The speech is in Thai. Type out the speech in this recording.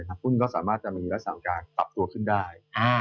คุณก็สามารถจะมีรักษาของการตับตัวขึ้นได้